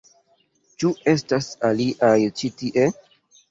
Ĉu estas aliaj ĉi tie?